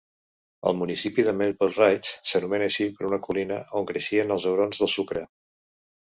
El municipi de Maple Ridge s'anomena així per una colina on creixien els aurons del sucre.